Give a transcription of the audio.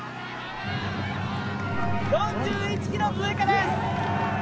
４１ｋｍ通過です！